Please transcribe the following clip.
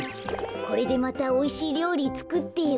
これでまたおいしいりょうりつくってよ。